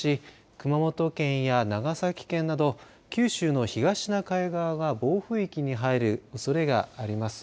熊本県や長崎県など九州の東シナ海側が暴風域に入るおそれがあります。